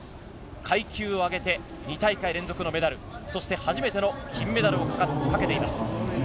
階級を上げて２大会連続のメダルそして初めての金メダルをかけています。